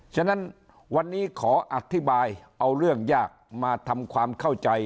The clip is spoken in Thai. ฉะนั้นวันนี้ขออธิบายเอาเรื่องยากมาทำความเข้าใจ